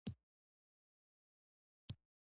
د هېواد جغرافیه کې سلیمان غر اهمیت لري.